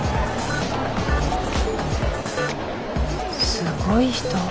すごい人。